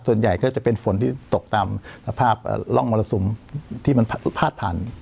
ส่วนใหญ่ก็จะเป็นฝนที่ตกตามสภาพร่องมรสุมที่มันพาดผ่าน